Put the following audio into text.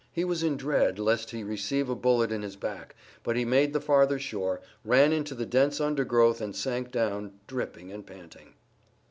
He was in dread lest he receive a bullet in his back, but he made the farther shore, ran into the dense undergrowth and sank down dripping and panting.